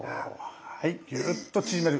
はいギュッと縮める。